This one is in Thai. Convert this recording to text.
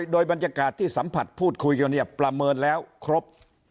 โดยบรรยากาศที่สัมผัสพูดคุยกันเนี่ยประเมินแล้วครบ